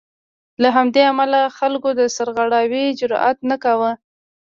له همدې امله خلکو د سرغړاوي جرات نه کاوه.